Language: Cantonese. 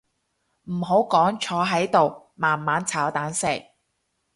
唔好講坐喺度慢慢炒蛋食